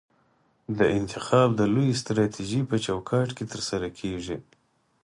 دا انتخاب د لویې سټراټیژۍ په چوکاټ کې ترسره کیږي.